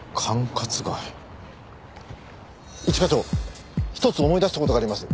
一課長一つ思い出した事があります。